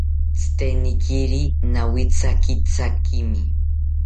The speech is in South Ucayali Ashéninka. Tzitenikiri nawithakithakimi